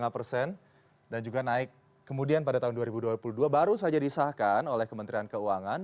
lima persen dan juga naik kemudian pada tahun dua ribu dua puluh dua baru saja disahkan oleh kementerian keuangan